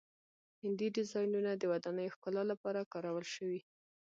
هندسي ډیزاینونه د ودانیو ښکلا لپاره کارول شوي.